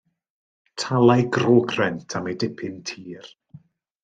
Talai grogrent am ei dipyn tir.